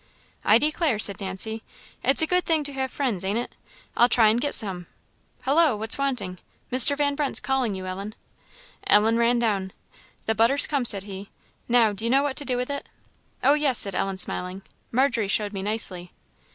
"I declare," said Nancy, "it's a good thing to have friends, ain't it? I'll try and get some. Hollo? what's wanting? Mr. Van Brunt's calling you, Ellen." Ellen ran down. "The butter's come," said he. "Now, do you know what to do with it?" "Oh, yes," said Ellen, smiling; "Margery showed me nicely."